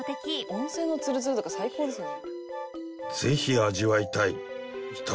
「温泉のツルツルとか最高ですよね」